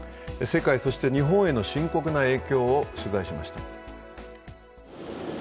世界、そして日本への深刻な影響を取材しました。